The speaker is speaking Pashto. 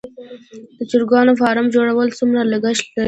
د چرګانو فارم جوړول څومره لګښت لري؟